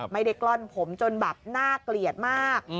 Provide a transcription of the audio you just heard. กล้อนผมจนแบบน่าเกลียดมาก